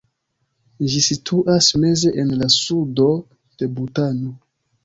Ĝi situas meze en la sudo de Butano.